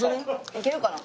行けるかな？